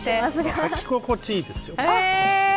履き心地いいですよ。